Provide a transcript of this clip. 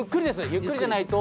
ゆっくりじゃないと。